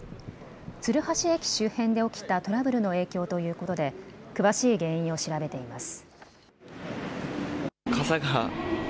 鶴橋駅周辺で起きたトラブルの影響ということで詳しい原因を調べています。